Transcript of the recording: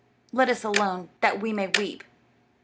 Let us alone, that we may weep."